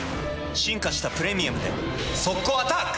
進化した「プレミアム」で速攻アタック！